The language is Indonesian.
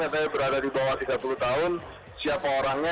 saya berada di bawah tiga puluh tahun siapa orangnya